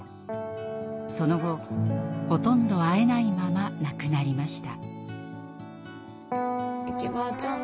その後ほとんど会えないまま亡くなりました。